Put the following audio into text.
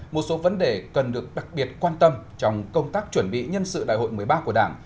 một số vấn đề cần được đặc biệt quan tâm trong công tác chuẩn bị nhân sự đại hội một mươi ba của đảng